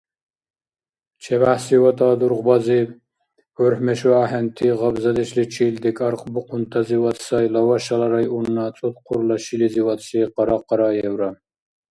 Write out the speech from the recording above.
ЧебяхӀси ВатӀа дургъбазиб урхӀмешуахӀенти гъабзадешличил декӀарбухъунтазивад сай Лавашала районна ЦӀудхъурла шилизивадси Къара Къараевра.